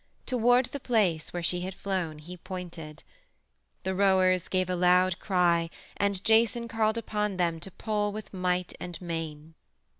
Toward the place where she had flown he pointed. The rowers gave a loud cry, and Jason called upon them to pull with might and main.